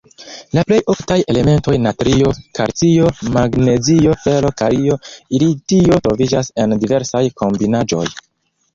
La plej oftaj elementoj natrio, kalcio, magnezio, fero, kalio, litio troviĝas en diversaj kombinaĵoj.